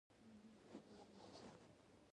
آیا ناروغ پوښتنه کول د پښتنو ښه عادت نه دی؟